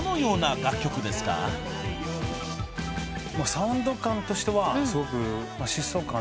サウンド感としてはすごく疾走感のある。